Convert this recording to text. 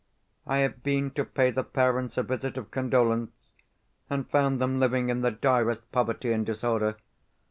I have been to pay the parents a visit of condolence, and found them living in the direst poverty and disorder.